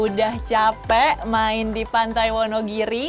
udah capek main di pantai wonogiri